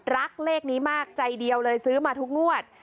เลขนี้มากใจเดียวเลยซื้อมาทุกงวด